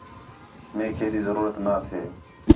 میک ہے تی ضرورت نہ تھے